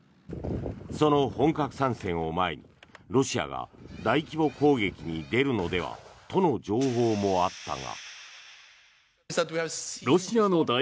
その本格参戦を前にロシアが大規模攻撃に出るのではとの情報もあったが。